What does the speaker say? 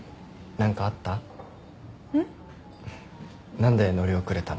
何で乗り遅れたの？